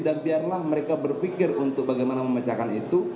dan biarlah mereka berpikir untuk bagaimana memecahkan itu